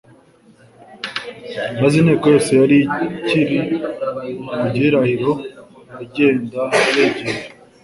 maze inteko yose yari ikiri mu gihirahiro, igenda ibegera.